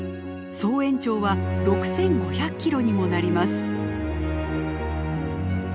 総延長は６，５００キロにもなります。